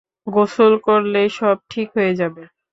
গোসল করলেই সব ঠিক হয়ে যাবে।